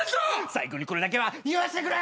最後にこれだけは言わしてくれ！